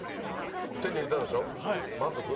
手に入れたでしょう満足？